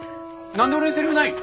なんで俺にセリフないの？